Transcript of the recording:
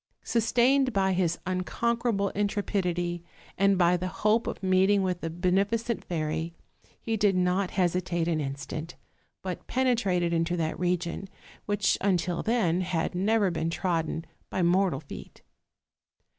Sustained by his un conquerable intrepidity, and by the hope of meeting with the beneficent fairy, he did not hesitate an instant, but penetrated into that region which until then had never been trodden by mortal feet.